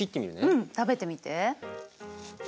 うん食べてみて。